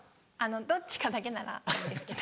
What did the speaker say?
どっちかだけならいいんですけど。